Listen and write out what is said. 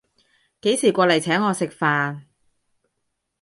幾時過來請我食飯